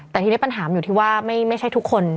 แต่ทีนี้ปัญหาอยู่ที่ว่าไม่ใช่ทุกคน